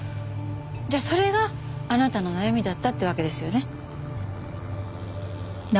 じゃあそれがあなたの悩みだったってわけですよね。